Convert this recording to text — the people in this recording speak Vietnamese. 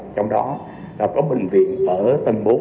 trong đó là có bệnh viện ở tầng bốn